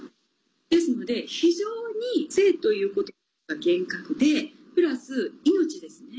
ですので非常に性ということが厳格でプラス命ですね。